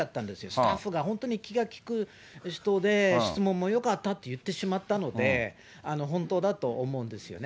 スタッフが本当に気が利く人で、質問もよかったって言ってしまったので、本当だと思うんですよね。